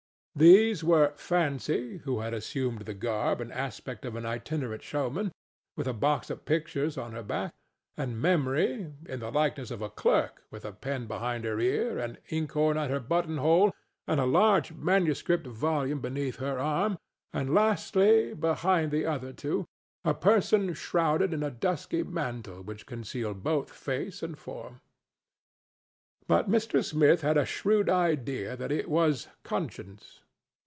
These were Fancy, who had assumed the garb and aspect of an itinerant showman, with a box of pictures on her back; and Memory, in the likeness of a clerk, with a pen behind her ear, an inkhorn at her buttonhole and a huge manuscript volume beneath her arm; and lastly, behind the other two, a person shrouded in a dusky mantle which concealed both face and form. But Mr. Smith had a shrewd idea that it was Conscience.